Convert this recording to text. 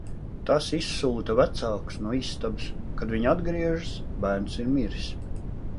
Tas izsūta vecākus no istabas. Kad viņi atgriežas, bērns ir miris.